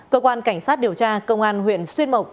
cơ quan cảnh sát điều tra công an huyện xuyên mộc